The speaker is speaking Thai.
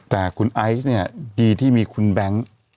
แต่คุณไอซ์เนี่ยดีที่มีคุณแบงค์